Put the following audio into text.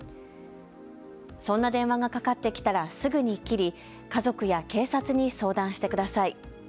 そんな電話がかかってきたらすぐに切り家族や警察に相談してください。